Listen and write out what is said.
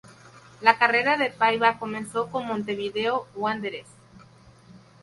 La carrera de Paiva comenzó con Montevideo Wanderers.